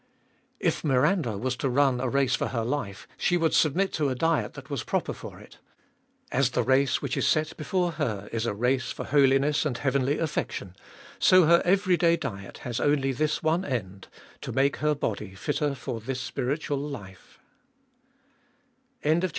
3. "If Miranda was to run a race for her life, he would submit to a diet that was proper for it. As the race which is set before her is a race for holiness and heavenly affection, so her every day diet has only this one end— to make her body fitter for this spiritual life.'